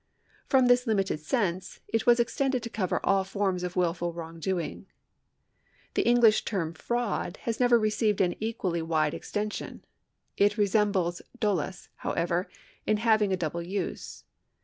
2 From this limited sense i't was extended to cover all forms of wilful wi'ongdoing. Tlie English terra fraud has never received an equally wide extension. It resembles dolus, however, in having a double use.